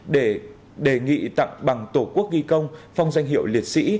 để đề nghị tặng bằng tổ quốc ghi công phong danh hiệu liệt sĩ